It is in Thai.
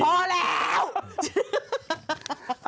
พอแล้ว